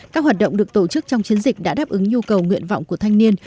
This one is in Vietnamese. các hoạt động được tổ chức trong chiến dịch đã đáp ứng nhu cầu nguyện vọng của thanh niên